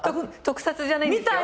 特撮じゃないんですよ。